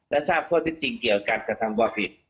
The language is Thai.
และทราบพวดจริงที่จริงเกี่ยวกับการกระทำความผิด